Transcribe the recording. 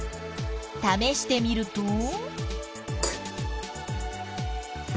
ためしてみると？